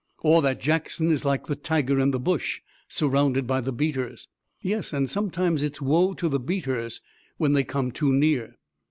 "Or that Jackson is like the tiger in the bush, surrounded by the beaters." "Yes, and sometimes it's woe to the beaters when they come too near."